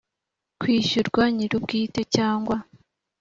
kwishyurwa nyir ubwite cyangwa